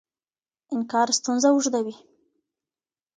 انکار ستونزه اوږدوي.